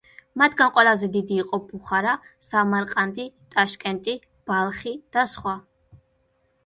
მათგან ყველაზე დიდი იყო ბუხარა, სამარყანდი, ტაშკენტი, ბალხი და სხვა.